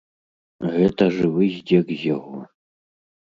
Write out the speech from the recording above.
Гэта жывы здзек з яго!